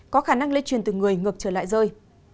có khả năng lây truyền từ người ngược trở lại rơi